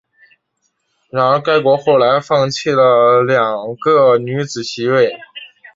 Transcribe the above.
然而该国后来放弃了两个女子席位。